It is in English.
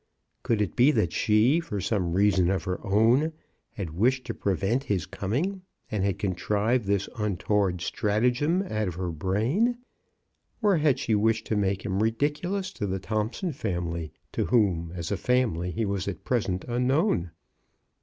Could it be that she, for some reason of her own, had wished to prevent his coming, and had contrived this un toward stratagem out of her brain ? or had she wished to make him ridiculous to the Thomp son family, to whom, as a family, he was at present unknown